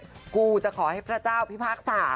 ก็คือในวงเล็บจะขอให้พระเจ้าพิพากสา